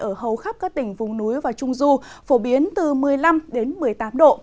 ở hầu khắp các tỉnh vùng núi và trung du phổ biến từ một mươi năm đến một mươi tám độ